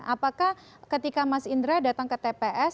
apakah ketika mas indra datang ke tps